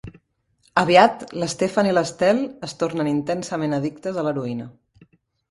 Aviat, l'Stefan i l'Estelle es tornen intensament addictes a l'heroïna.